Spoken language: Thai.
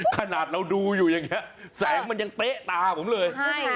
ขนาดเราดูอยู่อย่างนี้แสงมันยังเต๊ะตาผมเลย